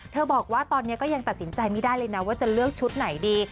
บอกว่าตอนนี้ก็ยังตัดสินใจไม่ได้เลยนะว่าจะเลือกชุดไหนดี